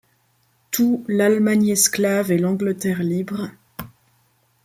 Tout, l'Allemagne esclave et l'Angleterre libre ;